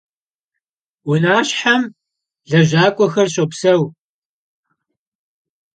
Vuneşşxuem lejak'uexer şopseu.